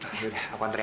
yaudah aku antar ya